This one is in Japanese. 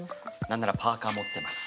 何ならパーカー持ってます。